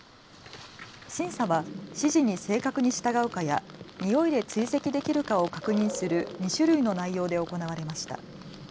審査は指示に正確に従うかやにおいで追跡できるかを確認する２種類の内容で行われました。